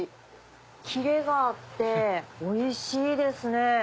キレがあっておいしいですね。